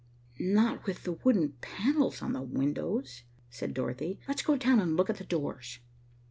"Not with the wooden panels on the windows," said Dorothy. "Let's go down and look at the doors."